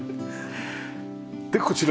でこちら。